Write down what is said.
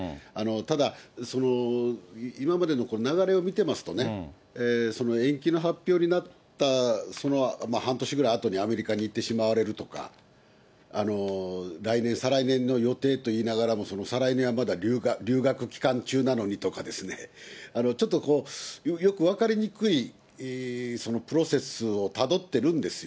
ただ、今までの流れを見てますとね、延期の発表になった、その半年ぐらいあとにアメリカに行ってしまわれるとか、来年、再来年の予定といいながらも、再来年はまだ留学期間中なのにとかですね、ちょっとよく分かりにくいプロセスをたどってるんですよ。